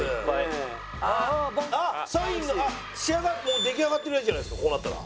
もう出来上がってるやつじゃないですかこうなったら。